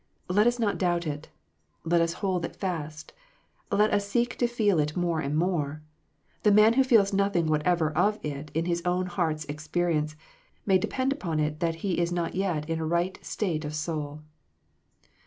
Let us not doubt it. Let us hold it fast. Let us seek to feel it more and more. The man who feels nothing whatever of it in his own heart s experience, may depend on it that he is not yet in a right state of soul.